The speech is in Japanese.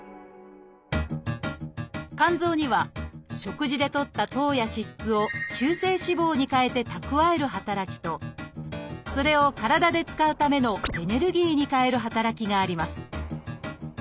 肝臓には食事でとった糖や脂質を中性脂肪に変えて蓄える働きとそれを体で使うためのエネルギーに変える働きがあります。